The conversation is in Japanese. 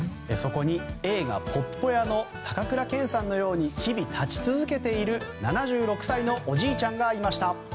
そこに映画「鉄道員」の高倉健さんのように日々、立ち続けている７６歳のおじいちゃんがいました。